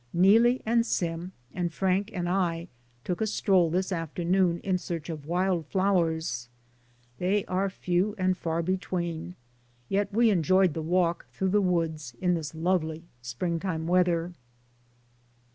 Neelie and Sim, and Frank and I took a stroll this afternoon in search of wild flow ers. They are few and far between, yet we (^ DAYS ON THE ROAD. enjoyed the walk through the woods in this lovely springtime weather.